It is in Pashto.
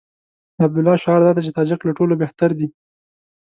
د عبدالله شعار دا دی چې تاجک له ټولو بهتر دي.